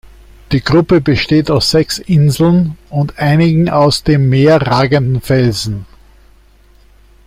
Die Gruppe besteht aus sechs Inseln und einigen aus dem Meer ragenden Felsen.